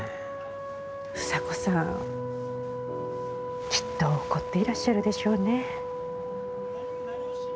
房子さんきっと怒っていらっしゃるでしょうね。